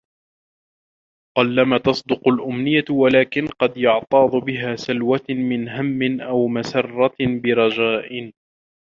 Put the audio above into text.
قَلَّمَا تَصْدُقُ الْأُمْنِيَّةُ وَلَكِنْ قَدْ يُعْتَاضُ بِهَا سَلْوَةً مِنْ هَمٍّ أَوْ مَسَرَّةٍ بِرَجَاءٍ